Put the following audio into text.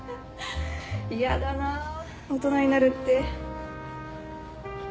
嫌だな大人になるって。